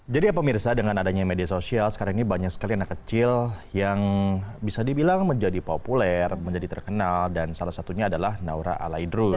jadi ya pemirsa dengan adanya media sosial sekarang ini banyak sekali anak kecil yang bisa dibilang menjadi populer menjadi terkenal dan salah satunya adalah naura alaidrus